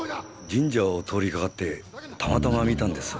神社を通りかかってたまたま見たんです。